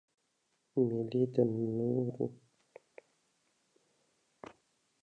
مېلې د نوو نظریاتو د خپرېدو موقع برابروي.